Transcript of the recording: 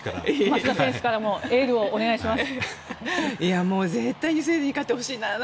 増田選手からもエールをお願いします。